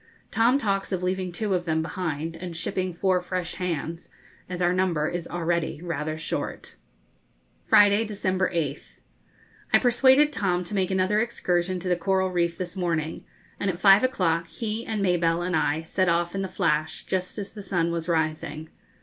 Tom talks of leaving two of them behind, and shipping four fresh hands, as our number is already rather short. Friday, December 8th. I persuaded Tom to make another excursion to the coral reef this morning, and at five o'clock he and Mabelle and I set off in the 'Flash,' just as the sun was rising.